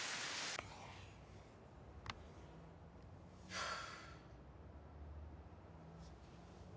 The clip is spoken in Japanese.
はあ。